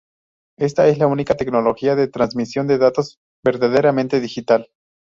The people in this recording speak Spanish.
Ésta es la única tecnología de transmisión de datos verdaderamente digital.